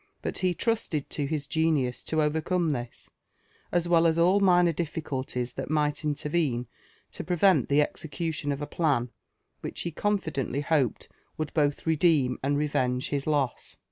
But he trusted to his genius to overcome this, as well as all minor difTiculties that might intprvene to prevent the exe cution of a plan which he confidently hoped would both redeem and revenge his loss.